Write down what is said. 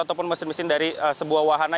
ataupun mesin mesin dari sebuah wahana